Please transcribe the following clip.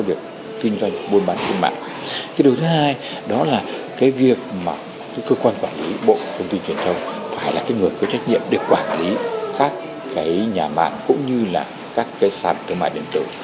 điều thứ hai đó là cái việc mà cơ quan quản lý bộ công ty truyền thông phải là cái người có trách nhiệm để quản lý các cái nhà mạng cũng như là các cái sản thương mại điện tử